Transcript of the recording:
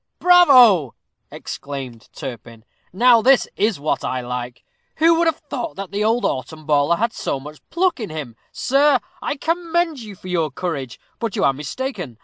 "Bravo!" exclaimed Turpin. "Now this is what I like; who would have thought the old autem bawler had so much pluck in him? Sir, I commend you for your courage, but you are mistaken.